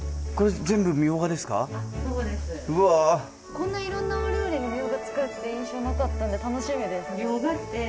こんないろんなお料理にミョウガ使うって印象なかったので楽しみです。